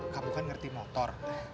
kamu kan ngerti motor